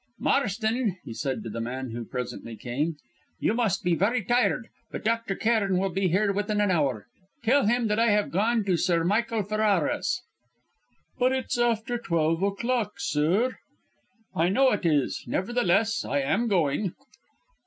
"Marston," he said to the man who presently came, "you must be very tired, but Dr. Cairn will be here within an hour. Tell him that I have gone to Sir Michael Ferrara's." "But it's after twelve o'clock, sir!" "I know it is; nevertheless I am going."